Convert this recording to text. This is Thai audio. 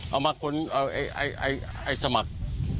เอามาคนเอาสมัคร